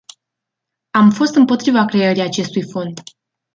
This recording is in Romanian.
Am fost împotriva creării acestui fond.